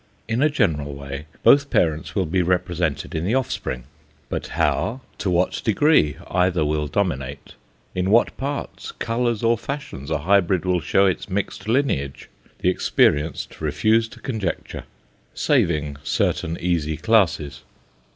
In a general way, both parents will be represented in the offspring, but how, to what degree either will dominate, in what parts, colours, or fashions a hybrid will show its mixed lineage, the experienced refuse to conjecture, saving certain easy classes.